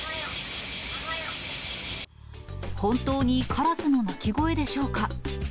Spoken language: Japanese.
本当にカラスの鳴き声でしょうか？